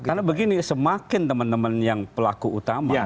karena begini semakin teman teman yang pelaku utama